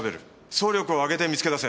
総力を挙げて見つけ出せ。